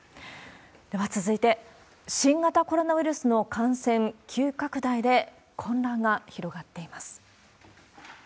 では、続いて、新型コロナウイルスの感染急拡大で混乱が広がっています。